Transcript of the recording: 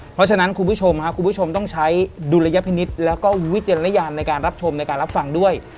เพราะฉะนั้นคุณผู้ชมคุณผู้ชมต้องใช้ดุลยพินิษฐ์แล้วก็วิจารณญาณในการรับชมในการรับฟังด้วย